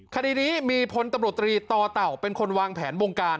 คดีนี้มีพลตำรวจตรีต่อเต่าเป็นคนวางแผนวงการ